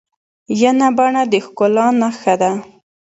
ینه بڼه د ښکلا نخښه ده.